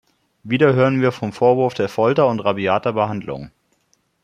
Wieder hören wir vom Vorwurf der Folter und rabiater Behandlung.